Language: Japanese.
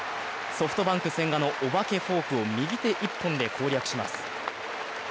ソフトバンク・千賀のお化けフォークを右手一本で攻略します。